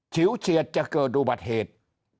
ฉิวเฉียดจะเกิดอุบัติเหตุ